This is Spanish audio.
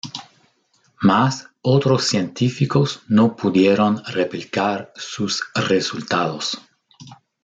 Mas, otros científicos no pudieron replicar sus resultados.